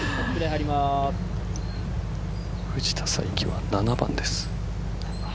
藤田さいきは、７番です。